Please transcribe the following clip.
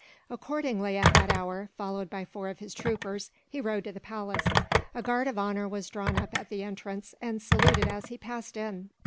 Accordingly at that hour, followed by four of his troopers, he rode to the palace. A guard of honour was drawn up at the entrance, and saluted as he passed in.